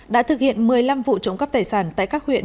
đã thực hiện một mươi năm vụ trộm cắp tài sản tại các huyện